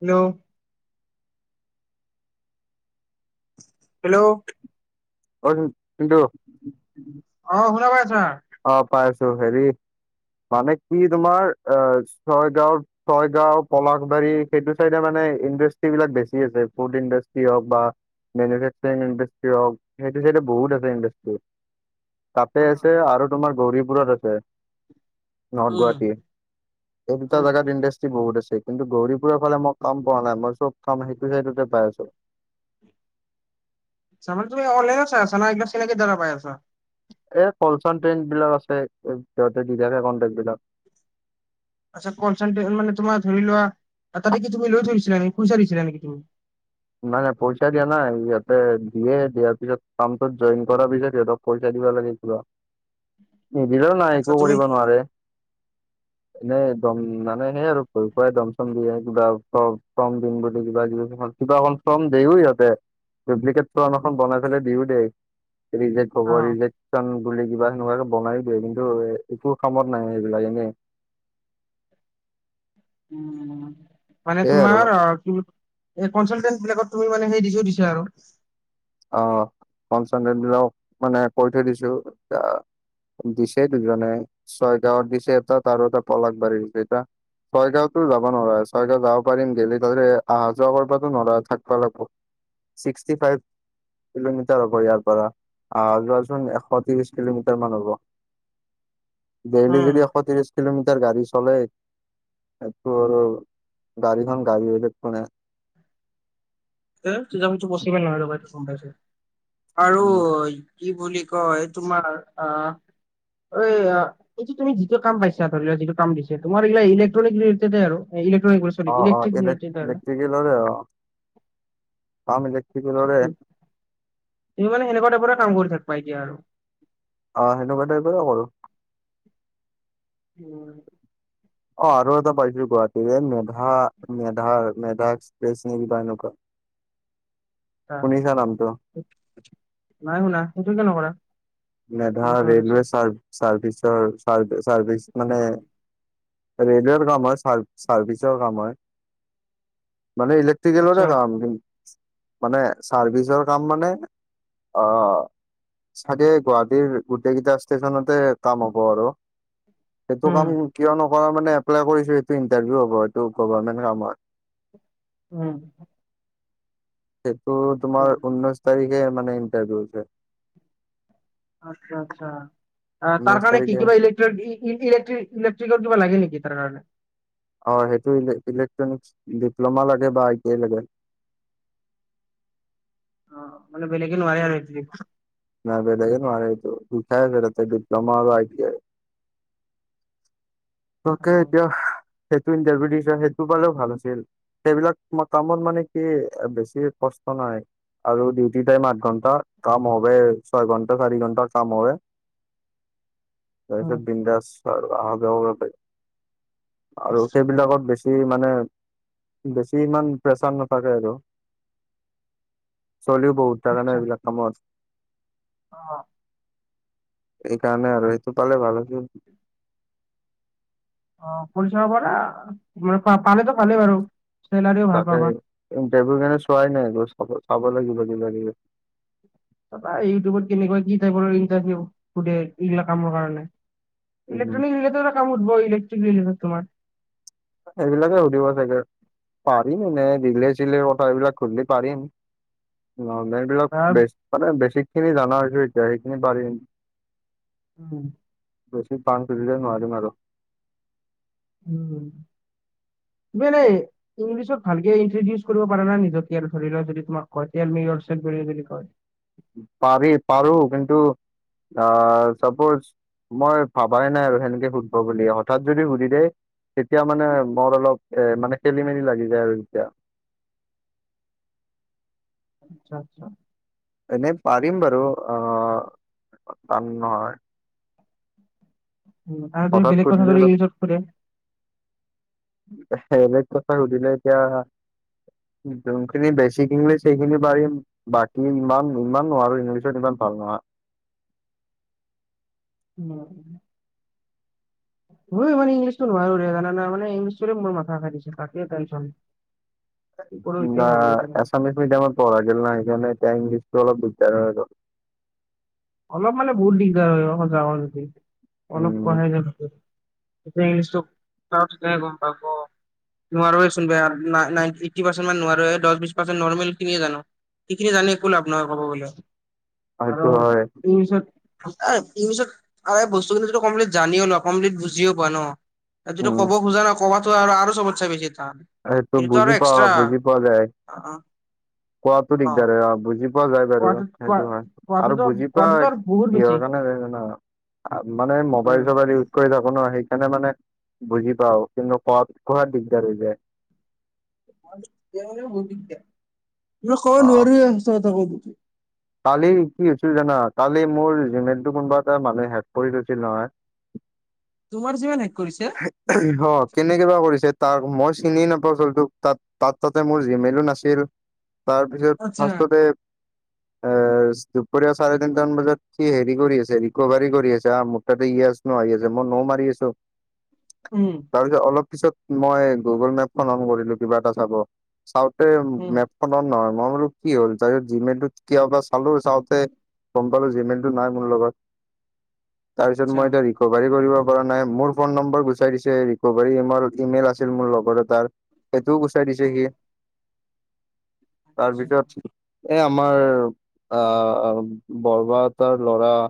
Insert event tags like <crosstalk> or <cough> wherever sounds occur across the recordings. Hello - hello অই জিণ্টু - অঁ শুনা পাই আছা। অ পাইছো, হেৰি মানে কি তোমাৰ অঁ ছয়গাঁৱত- ছয়গাঁও, পলাশবাৰী সেইটো চাইডে মানে ইণ্ডাষ্ট্ৰ্ৰী বিলাক বেছি আছে, ফুড ইণ্ডাষ্ট্ৰি হওক বা- মেনুফেচাৰিং ইণ্ডাষ্ট্ৰীয়ে হ‌ওক, সেইটো ছাইডে বহুত আছে ইণ্ডাষ্ট্ৰ্ৰী। তাতে আছে উম। আৰু তোমাৰ গৌৰীপুৰত আছে। নৰ্থ গুৱাহাটী, এই দুটা উম জোগাত ইণ্ডাষ্ট্ৰ- ষ্ট্ৰী বহুত আছে, কিন্তু গৌৰী পুৰৰ ফালে মই কাম পোৱা নাই মই চব কাম সেইটো চাইডতে পাই আছো। ছামাল তুমি অনলাইনত চাই আছা‌ ন, এই চিনাকি দ্বাৰা পাই আছা। এ কলচন ট্ৰেণ্ড বিলাক আছে সিহঁতে দি থাকে কনটেক্ট বিলাক। আচ্ছ কলচন মানে তোমাৰ ধৰি লোৱা তাতে তুমি লৈ থৈছিলা নেকি পইচা দিছিলা নেকি তুমি? নাই নাই পইচা দিয়া নাই ইয়াতে দিয়ে দিয়াৰ পিছত কামটোত জইন কৰা পিছত সিহঁতক- পইচা দিবা লাগে কিবা। <inaudible> নিদিলো নাই আচ্ছা একো তুমি কৰিব নোৱাৰে। <inaudible> এনে দম মানে সেই আৰু খুৱাই দম চম দিয়ে কিবা কম দিন বুলি কিবা কিবি। কিবা এখন ফৰ্ম দিওঁ সিহঁতে ডুপ্লিকেট ফৰ্ম এখন বনাই পেলাই দিওঁ দে ৰিজেকট- অ খবৰ ৰিজেকচন বুলি কিবা সেনেকুৱাকে বনাই দিয়ে কিন্তু একো কামত নাই সেইবিলাক এনেই - উম, মানে সেয়াই আৰু তোমাৰ কি- এই কনচালটেন্ট বিলাকত তুমি মানে সেই দিছো থৈছা আৰু। আহ কনচালটেন্ট মানে কৈ থৈ দিছো এ- দিছে দুজনে ছয় গাঁৱত দিছে এটা ত আৰু এটা পলশ বাৰী দিছে এটা। ছয়গাঁওতো যাব নোৱাৰা ছয়গাঁও যাব পাৰিম গেললে ত অহা যোৱা কৰিবাতো নোৱাৰয় থাকিব লাগিব। Sixty five. কিলোমিটাৰ হ'ব ইয়াৰ পৰা আহ যোৱাচোন এশ ত্ৰিশ কিলোমিটাৰ মান হ'ব। <inaudible> দেলি উম যদি এশ ত্ৰিশ। কিলোমিটাৰ গাড়ী চলে, সেইটো আৰু গাড়ীখন গাড়ী হৈ থাকব না। এজতো পবচিবে নহয় ৰ'বা ইটো গম পাইছে আৰু। উম। কি বুলি কয় তোমাৰ আঁহ। অ এইটো তুমি যিটো কাম পাইছা ধৰি লোৱা যিটো কাম দিছে তোৰ এইগিলা ইলেক্ট্ৰনিক ৰিলেটেডে আৰু। এ ইলে্ট্ৰিক ইলে্ট্ৰিক আৰু- ল আমি দেখ <unintelligible> তুমি মানে সেনেকুৱা টাইপ কাম কৰি থাকিবা এতিয়া আৰু। অ সেনেকুৱা টাইপৰে কৰো। উম অ আৰু এটা পাইছিলো গুৱাহাটীৰে মেধা মেধা এক্সপ্ৰেছ নে কিবা এনেকুৱা। আচ্ছা। শুনিছা নামটো। নাই শুনা, সেইটো কিয় নকৰা? সেইটো মেধা ওচৰত আছে ৰেলোৱে চাৰ চাৰ্ভিচৰ্ চাৰ্ভিচ মানে- ৰেলৱেৰ কাম হয় চাৰ্ভিচৰ কাম হয়, মানে- আচ্ছা ইলেক্ট্ৰনিকৰে কাম, কিন্তু- মানে চাৰ্ভিচৰ কাম মানে অ, চ গুৱাহাটীৰ গোটেই কেইটা ষ্টেচনতে কাম হ'ব আৰু সেইটো উম কাম কিয় নকৰা মানে এপ্লাই কৰিছো এইটো ইটাৰভিউ হ'ব এইটো গভামেণ্ট কাম হয়। উম সেইটো আচ্ছা তোমাৰ ঊনৈছ তাৰিখে মানে ইণ্টাৰভিউ আছে। আচ্ছা আচ্ছা, তাৰ ঊনৈশ কাৰণে কি তাৰিখে কিবা ইলেক্ট্ৰ- ইলেট্ৰ- ইলেকট্ৰিকৰ কিবা লাগে নেকি তাৰ কাৰণে অ, সেইটো ইলেক্ট্ৰনিক ডিপ্ল'মা লাগে বা আই টি আই লাগে। অ, মানে বেলেগে নোৱাৰে আৰু। নাই বেলেগে নোৱাৰে এইটো দুটাই লাগে আৰু ডিপ্ল'মা আৰু আই টি আই। অ তাকে এতিয়া সেইটো ইণ্টাৰভিউ দিছা সেইটো পালেও ভাল আছিল। সেইবিলাক কামত বেছি কষ্ট নাই। আৰু ডিউটি টাইম আঠ ঘণ্টা কাম হ ছয় ঘন্টা চাৰি ঘন্টা কাম হয়। <inaudible> অ তাৰপিছত বিন্দাচ আহা যোৱা কৰিব পাৰি। আৰু সেইবিলাকত বেছি মানে বেছি ইমান প্ৰেচাৰ নাথাকে আৰু। চলিও বহুত ধাদ <unintelligible> নে আচ্ছা এইবিলাক কামত। অ', এইকাৰণে আৰু সেইটো পালে ভাল আছিল। কৰি চাব পাৰা মে পানীতো ভালেই বাৰু। চেলাৰীও ভাল পাবা তাতেই টেবুলখিনি চোৱাই নাই গৈ চাব লাগিব কিবা কিবি লাগে। তাপা ইউটিউবত কেনেকুৱা কি টাইপৰ ইটাৰভিউ সুধে এইবিলাক কামৰ কাৰণে। ইলেক্ট্ৰনিক নিলেত কাম উঠব ইলেক্ট্ৰনিক তোমাৰ এইবিলাকে সুধিব চাগে পাৰিম এনেই দিলে চিলে কথা এইবিলাক সুধিলে পাৰিম। নলেজ বিলাক তাৰ বেস, মানে বেছিক খিনি জানা হৈছে এতিয়া সেইখিনি পাৰিম। উম, বেছিক কাম সুধিলে নোৱাৰিম আৰু। উম, কেলে? <unintelligible> ইংলিছত ভালকে ইট্ৰডিউচ কৰিব পাৰ নাই নিজকে আৰু, ধৰি লোৱা যদি তোমাক কয় 'টেল মি ইউৰ সেল্ফ বুলি যদি কয়? পাৰি পাৰো কিন্তু আহ চাপোজ মই ভাবাই নাই আৰু সেনেকে সুধিব বুলি হঠাৎ যদি সুধি দেই তেতিয়া মানে মোৰ অলপ এ মানে খেলি মেলি লাগি যায় আৰু তেতিয়া। আচ্ছা-আচ্ছা। এনেই পাৰিম বাৰু অ, টান নহয়। উম, আৰু তু হঠাৎ বেলেগ কথা সুধিলে যদি অলপ ইংলিছত খুধে? বেলেগ কথা সুধিলে এতিয়া যোনখিনি বেছিক ইংলিছ সেইখিনি পাৰিম। বাকী ইমান - ইমান নোৱাৰো ইংলিছত ইমান ভাল নহয়। উম, মইও ইমান ইংলিছটো নোৱাৰো ৰে জানানা মানে ইংলিছটোয়ে মোৰ মথা খাই দিছে তাকেই টেনচন। <inaudible> হুম, বা ভাবি আছো মানে এছামিছ মিডিয়ামত পঢ়া গিল ন সেইকাৰণে এতিয়া ইংলিছতো অলপ দিগদাৰ হৈ গ'ল। অলপ মানে বহুত দিগদাৰ হয় যায় সচা কথা হেৰি অলপ উম পঢ়ায় যে তাতে এতিয়া ইংলিছটো ক কথা পাতোতে গম পাব। নোৱাৰোৱে চোন বে আৰ না নাইন্টি এইট্টী পাৰ্চেণ্টমান নোৱাৰোৱে দহ বিছ পাৰ্চেণ্ট নৰ্মেল খিনিয়ে জানো। সেইখিনি জানে একো লাভ নহ'ব ক'ব গ'লে সেইটো আৰু হয় ই পিছত এই ইংলিচত আৰু এই বস্তুখিনিটো কমপ্লিট জানিও নাপাম কমপ্লিট বুজিও পোৱা ন। আৰু যিটো উম ক'ব খোজা নাই কবাতো আৰু চবছে বেছি টান। এই তই এইটোতো আৰু বুজি পায়, এক্সট্ৰা বুজি পোৱা যায়, অ', কোৱাটো দিগদাৰ অ', বুজিছোঁ', বুজি পোৱা যায় বাৰু কোৱাটোত কোৱা সেইটো হয় আৰু কোৱাটোতো বুজি কোৱাটোতো পোৱা আৰু বহুত বেছি কিহৰ কাৰণে এই জানোঁ ', মানে মোবাইল উম। চোবাইল ইউজ ', কৰি থাকো ন, সেইকাৰণে মানে বুজি পাওঁ কিন্তু কোৱাত, কোৱাত দিগদাৰ হৈ যায়', মই অ ক'ব নোৱাৰোৱে সচা কথা কৈ দিছো। কালি কি হৈছিল জানা কালি মোৰ জিমেইলটো কোনোবা এটা মানুহে হেক কৰি থৈছিল নহয়। তোমাৰ জিমেইল হেক কৰিছে? এ হে, ইহঁত কেনেকে বা কৰিছে তাক মই চিনিয়েই নাপাও ছোৱালীতোক তাত তাৰ, তাতে মোৰ জিমেইলো নাছিল, তাৰপিছত আচ্ছা ফাৰ্ষ্টতে', <unintelligible> ইয়েছ, দুপৰীয়া চাৰে তিনটামান বজাত সি হেৰি কৰি আছে ৰিকভাৰী কৰি আছে মোৰ তাতে ইয়েছ', হয়, মই নোও মাৰি আছোঁ', উম', তাৰপিছত, অলপ পিছত মই গুগল মেপখন অন কৰিলোঁ, কিবা এটা চাব চাওঁতে উম, মেপ ', ফোনটো অন নহয়, মই বোলো কি হ'ল ডাইৰেক্ট জিমেইলটোত কিয় বা চালোঁ চাওঁতে', গম পালোঁ জিমেইলটো নাই মোৰ লগত', <unintelligible> তাৰপিছত, মই এতিয়া ৰিকভাৰী কৰিব পৰা নাই মোৰ', ফোন নম্বৰ গুচাই দিছে, ৰিকভাৰী তোমাৰ ইমেইল আছিল মোৰ লগৰ এটাৰ', এইটোও গুচাই দিছে অ সি আচ্ছা তাৰপিছত', এই, আমাৰ আহ, বৰমাহঁতৰ ল'ৰা',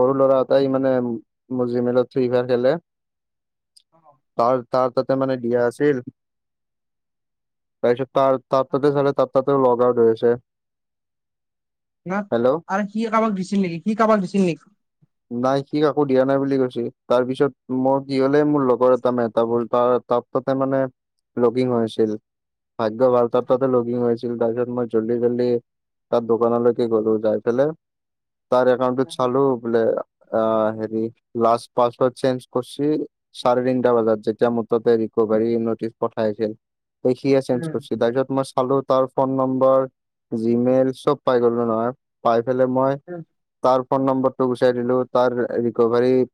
সৰু ল'ৰা এটাই মানে মোৰ জিমেইলত ফ্ৰী ফায়াৰ খেলে', অ', তাৰ, তাৰ তাতে মানে দিয়া আছিল', তাৰপিছত, তাৰ ততে চালে তাত ততেও লগ আউট হয় আছে', ন হেল্ল' আৰু সি কাৰোবাক দিছিল নেকি সি কাৰোবাক দিছিল নেকি? নাই সি কাকো দিয়া নাই বুলি কৈছে তাৰপিছত', মই কি হলে মোৰ লগৰ এটা মে এটা ভল তাৰ তাত তাতে মানে লগিং হৈ আছিল। ভাগ্য ভাল তাৰ তাতে লগিং হৈছে ছিল তাৰ পিছত মই জল্দি জল্ডি তাৰ দোকানলৈকে গ'লো যাই পেলাই। তাৰ একাউণ্টটো চালোঁ, বোলে অ', হেৰি লাষ্ট পাছৱাৰ্ড চেঞ্জ', ফচিল, চাৰে তিনিটা বজাত যেতিয়া মুঠতে ৰিকভাৰী নোটিচ পঠাইছিল', সিয়ে চেঞ্জ কৰিছোঁ, তাৰপিছত মই', পালোঁ তাৰ ফোন নম্বৰ জিমেইল চব পাই গল নহয় পাই পেলাই মই', অ', তাৰ ফোন নম্বৰটো গুচাই দিলোঁ, তাৰ ৰিকভাৰীত',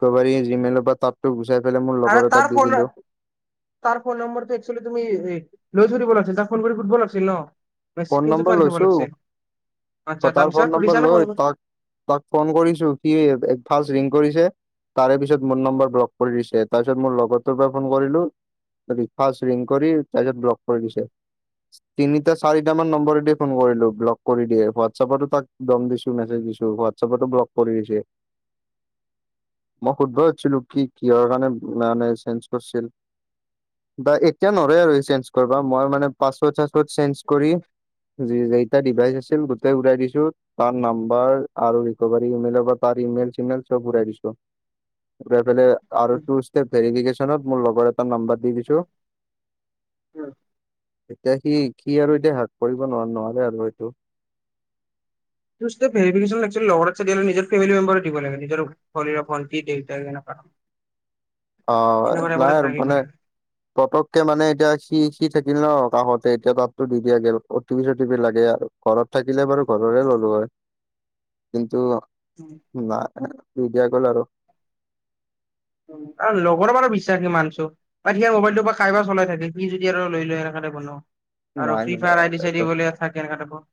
ৰিকভাৰী জিমেইলৰ পৰা তাৰতো গুচাই পেলাই মোৰ আৰু লগৰ তাৰ এটাক দি ফোন দিলোঁ', তাৰ ফোন নম্বৰটো একচুৱেলি তুমি লৈ থব লাগিছিল তাক ফোন কৰি সুধিব লাগিছিল ন' ফোন স্ক্ৰীনশ্বট নম্বৰ মাৰি থব লৈছো লাগিছিল আচ্ছা ক তাৰ তাৰপিছত ফোন নম্বৰ সুধিছা নে ফোন লৈ কৰি? তাক তাক ফোন কৰিছো কি ফাষ্ট ৰিং কৰিছে। তাৰে পিছত মোৰ নম্বৰ ব্লক কৰি দিছে তাৰ পিছত মোৰ লগৰটোৰ পৰা ফোন কৰিলো। ফাৰ্ষ্ট ৰিং কৰি তাৰপিছত ব্লক কৰি দিছে তিনিটা চাৰিট মান নম্বৰদি ফোন কৰিলো ব্লক কৰি দিয়ে হোৱাটছএপতো তাক দম দিছো মেছেজ দিছো হোৱাটছএপতো ব্লক। কৰি দিছে। <inaudible> মই শুদ্ধ হৈছিলো কি কিহৰ কাৰণে মানে চেঞ্জ কৰিছিল। বা এতিয়া নৰে আৰু চেঞ্জ কৰিবা মই মানে পাছপত চাছপত চেঞ্জ। কৰি কেইটা ডিভাইচ আছিল গোটেই উৰাই দিছো তাৰ নাম্বাৰ আৰু ৰিকভাৰি ইমেইলৰ পৰা তাৰ ইমেইল চিমেইল চব উৰাই দিছো। আৰু ইফালে টু ষ্টেপ ভেৰিভিকেচন মোৰ লগৰ এটা নম্বম দি দিছো এতিয়া সি সি আৰু এতিয়া হেক কৰিব ন নোৱাৰে আৰু এইটো। টু ষ্টেপ ভেৰিভিকেচনত এক্সুয়েলি লগৰ এটা দিয়াত কৈ নিজৰে ফেমিলি নম্বৰে দিব লাগে। শলীৰৰ ফল কি দেতাৰ কিনে কাৰণ <unintelligible> অ' নাই আৰু থাকিব মানে লাগে। পতককে মানে এতিয়া সি সি থাকিল ন কাষতে এতিয়া তাততো দি দিয়া গ' অ টি পি চ টি পি লাগে আৰু। ঘৰত থাকিলে বাৰু ঘৰৰে ললো হয় কিন্তু। উম না দি দিয়া গ'ল আৰু। আৰু লগৰ বাৰো বিশ্বাসি মানিচো। পাতিয়াৰ মোবাইলটোৰ পৰা কাৰাইব চলাই থাকে কি যদি আৰু লৈ - লৈ সনেণে বনাও। আৰু নাই ফ্ৰী ফায়াৰ আইডি মানে চাইড থাকে এনেকা টাইপৰ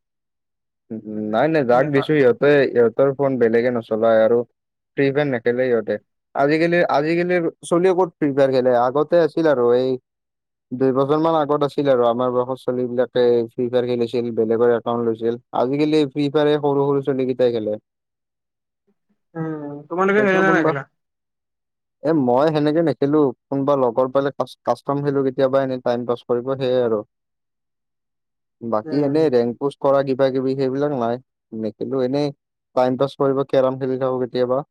উম, নাই - নাই যাক সেনেকুৱা। দিছো ইহঁতে-ইহঁতৰ ফোন বেলেগে নচলায় আৰু। ফ্ৰী ফাইৰ নেখেলে ইহঁতে। আজিকালি আজিকালিৰ চলি ক'ত ফ্ৰী ফায়াৰ খেলে আগতে আছিল আৰু এই দুই বছৰমান আগত আছিল আৰু আমাৰ বয়সৰ ছোৱালী বিলাকে ফ্ৰী ফায়াৰ খেলিছিল বেলেগৰ একাউণ্ট লৈছিল। আজিকালি ফ্ৰী ফায়াৰে সৰু - সৰু ছোৱলীকেইটাই খেলে। উম, তোমালোকে সেইটো খেলা কোনবা <inaudible> এ মই সেনেকে নেখেলো কোনোবা লগৰ পালে কাষ্টম খেলো কেতিয়াবা এনে টাইম পাছ কৰিব সেয়াই আৰু বাকী উম, এনেই ৰেং পোচ কৰা কিব কিবা কিবি সেইবিলাক নাই নেখেলো এনেই টাইম পাছ কৰিব কেৰম খেলি থাকো কেতিয়াবা।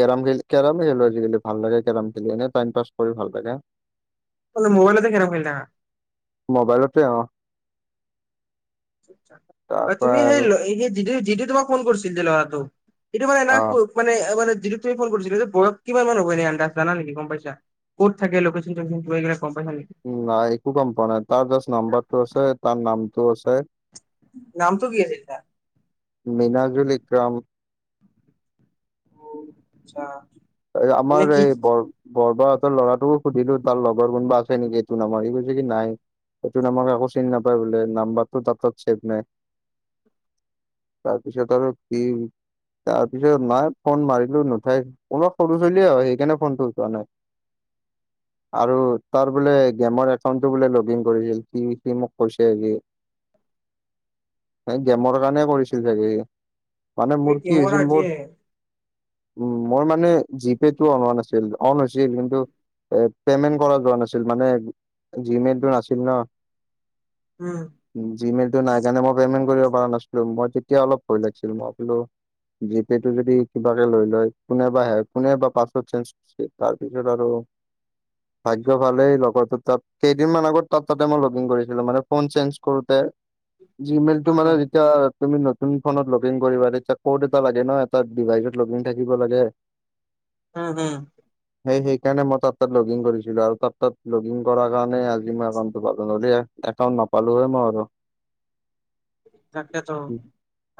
কেৰম খে কেৰমে খেলো আজিকালি ভাল লাগে কেৰম খেলি এনেই টাইম পাছ কৰি ভাল লাগে। অকল মোবাইলতে কেৰম খেলি থাকা। মোবাইলতে অ, তাৰ তুমি পৰা সেই আৰু যি- যিটোৱে তোমাক ফোন কৰিছিল যে ল'ৰাটো সিটো মানে এ অ মানে মানে যিটো তুমি ফোন কৰিছিল যে বয়স কিমান মান হব এনে আনডাচ জানা নেকি গম পাইছা? ক'ত থাকে লোকেচনতো গৈ কেনি গম পাইছা নেকি? নাই একো গম পোৱা নাই তাৰ জাষ্ট নাম্বাৰটো আছে তাৰ নামটো আছে। নামটো কি আছিল তাৰ? মিনাজুলক্ৰম আচ্ছা। মানে আমাৰ কি এই বৰ- বৰবাহতৰ ল'ৰাটো সুধিলো তাৰ লগৰ কোনোবা আছে নেকি এইটো নামৰ এই কৈছে কি নাই। সেইটো নামৰ কাকো চিনি নাপায় বোলে নাম্বাৰটো তাৰ তাত ছেভ নাই। তাৰপিছত আৰু কি তাৰপিছত নাই ফোন মাৰিলো নুথাই। অলপ সৰু ছোৱালীয়ে সেইকাৰণে ফোনটো চোৱা নাই। <inaudible> আৰু তাৰ বোলে গেমৰ একাউণ্টটো বোলে লগ ইন কৰিছিল সি -সি মোক কৈছে যে <inaudible> এ গেমৰ কাৰণে কৰিছিল চাগে সি মানে তুমি মোৰ কি গেমৰ হৈছিল মোৰ আজিয়ে উম, মই মানে জিপেটো অহা নাছিল অন হৈছিল কিন্তু এ পেমেন্ট কৰা যোৱা নাছিল মানে জিমেটো নাছিল ন। উম, জিমেইল টো নাই কাৰণে মই পেমেন্ট কৰিব পৰা নাছিলো মই তেতিয়া অলপ ভয় লাগিছিল মই বোলো জিপে'টো যদি কিবাকে লৈ লয়। কোনে বা হে কোনে বা পাছপর্ট চেঞ্জছ তাৰ পিছত আৰু <inaudible> ভাগ্য ভাল এই লগৰটো তাত কেইদিনমান আগত তাত তাতে মই লগ ইন কৰিছিলো মানে ফোন চেঞ্জ কৰোঁতে জিমেইলটো মানে উম, যেতিয়া তুমি নতুন ফনত লগিং কৰিবা তেতিয়া কৌদ এটা লাগে ন' তাত ডিভাইচত লগিং থাকি কিবা লাগে? উম, হম। সেই সেইকাৰণে মই তাৰ তাত লগিং কৰিছিলো আৰু তাৰ তাত লগিং কৰা কাৰণে আজি মই একাউণ্টটো পালো নহলে একাউণ্ট নাপালো হয় মই আৰু। তাকেটো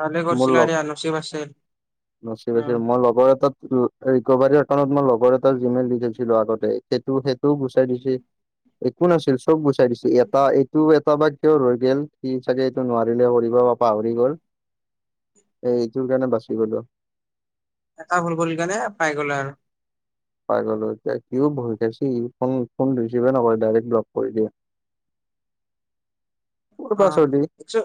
ভালে মোৰ কৰছিল লগ নচীব আছিল নচিব আছিল উম, মই লগৰ এটাত ৰিকভাৰীৰ কাৰণত মই লগৰ এটা জিমেইল দি থৈছিলো আগতে সেইটো - সেইটোও গুচাই দিছে। একো নাছিল চব গৈছিল চাই দিছো এটা এইটো এটা বা কিয় ৰৈ গেল সি চাগে এইটো নোৱাৰিলে কৰিব। পাহৰি গ'ল এ এইটোৰ কাৰণে বাচি গ'লো। এটা ভুল কৰি কেনে পাই গ'লা আৰু। পাই গ'লো এতিয়া সিয়ো ভয় খাইছি ফন- ফন ৰিচিভে নকৰে ডাইৰেক্ট ব্লক কৰি দিয়ে। ক'ৰ অ, পৰা চৰ্দি? ইচ্চো।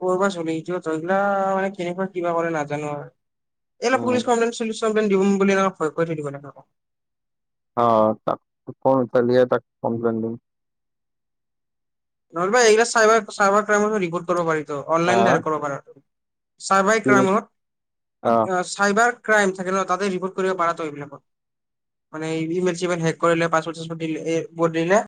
ক'ৰবা চলি এটোয়তো ইগলা মানে কেনেকুৱা কিবা কৰে নাজানো আৰ। এইবিলাক উম। পুলিচ কমপ্লেইন চুলিছ কমপ্লেইন দিম বুলি আৱ ভয় খুৱাই থাকিব লাগে আক। অ, তাক ফন তাক কমপ্লেইন দিম। নহলে বা এইগিলা চাইবাৰ- চাইবাৰ ক্ৰাইমত ৰিপৰ্ট কৰিব পাৰিটো হা? অনলাইন ডাইৰেক্ট কৰিব পাৰা। চাইবাৰ কি কৈছ? ক্ৰাইমত অ'। <unintelligible> চাইবাৰ ক্ৰাইম থাকে ন, তাতে ৰিপৰ্ট কৰিব পাৰা তই এইবিলাকত। মানে ইভি <unintelligible> হেক কৰিলে পাৰ্চপট -চাৰ্চপট দিলে এ বদিলে।